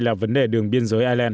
là vấn đề đường biên giới ireland